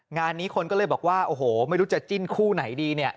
งานนี้คนก็เลยบอกว่าโอ้โหไม่รู้จะจิ้นคู่ไหนดีเนี่ย